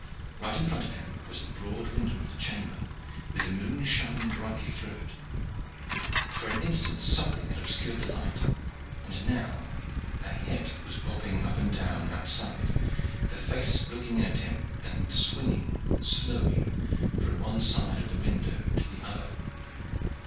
Right in front of him was the broad window of the chamber, with the moon shining brightly through it. For an instant something had obscured the light, and now a head was bobbing up and down outside, the face looking in at him, and swinging slowly from one side of the window to the other.